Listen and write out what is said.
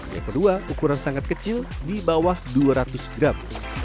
yang kedua ukuran sangat kecil di bawah dua ratus gram